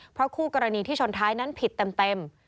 เพราะคู่กรณีที่ชนท้ายนั้นผิดเต็ม